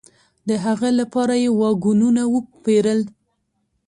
د هغه لپاره یې واګونونه وپېرل.